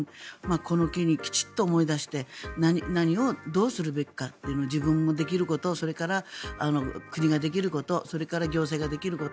この機にきちっと思い出して何をどうするべきか自分のできることそれから国ができることそれから行政ができること。